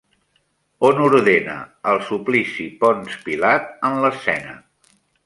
On ordena el suplici Ponç Pilat en l'escena?